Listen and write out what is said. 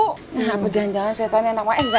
kenapa jangan jangan setannya anak wakil